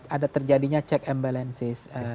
ada terjadinya check and balances